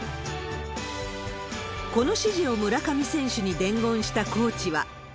この指示を村上選手に伝言したコーチは。